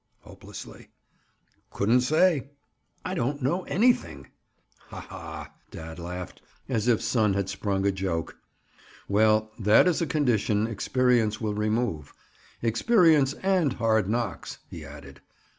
Hopelessly. "Couldn't say." "I don't know anything." "Ha! ha!" Dad laughed, as if son had sprung a joke. "Well, that is a condition experience will remove. Experience and hard knocks," he added.